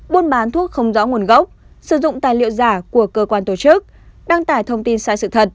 buôn bán thuốc không rõ nguồn gốc sử dụng tài liệu giả của cơ quan tổ chức đăng tải thông tin sai sự thật